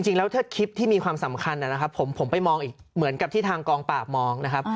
จริงแล้วถ้าคลิปที่มีความสำคัญนะครับผมไปมองอีกเหมือนกับที่ทางกองปราบมองนะครับ